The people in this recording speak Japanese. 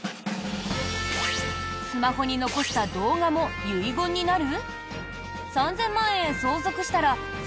スマホに残した動画も遺言になる？